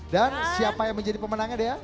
dan siapa yang menjadi pemenangnya dea